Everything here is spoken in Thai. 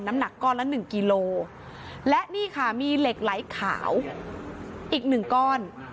น้ำหนักก้อนละหนึ่งกิโลและนี่ค่ะมีเหล็กไหลขาวอีกหนึ่งก้อน